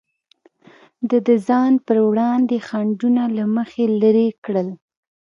ده د ځان پر وړاندې خنډونه له مخې لرې کړل.